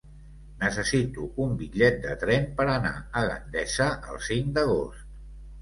Necessito un bitllet de tren per anar a Gandesa el cinc d'agost.